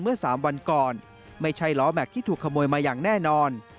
เมื่อ๓วันก่อนไม่ใช่ล้อแม็กซ์ที่ถูกขโมยมาอย่างแน่นอน